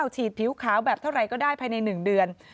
ฉีดผิวขาวแบบเท่าไหร่ก็ได้ภายใน๑เดือน